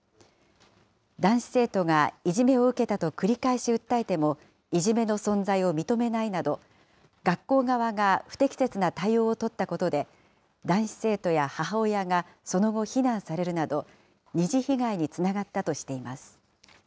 男子生徒がいじめを受けたと繰り返し訴えてもいじめの存在を認めないなど、学校側が不適切な対応を取ったことで、男子生徒や母親がその後、非難されるなど、二次被害につながったとしています。